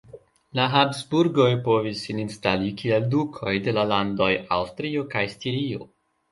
La Habsburgoj povis sin instali kiel dukoj de la landoj Aŭstrio kaj Stirio.